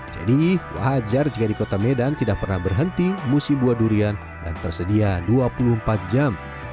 jadi wajar jika di kota medan tidak pernah berhenti musim buah durian dan tersedia dua puluh empat jam